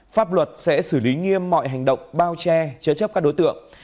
pháp luật sẽ xử lý nghiêm mọi hành động bao che chế chấp các đối tượng